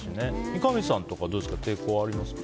三上さんとか抵抗ありますか？